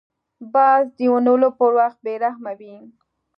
باز د نیولو پر وخت بې رحمه وي